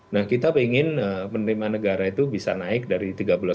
nah kita ingin penerimaan negara itu bisa naik dari tiga belas lima ratus